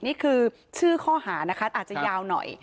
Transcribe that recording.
นี่คือชื่อข้อหานะคะอาจจะยาวหน่อย